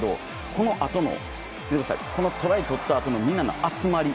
このあとのトライ取ったあとのみんなの集まり。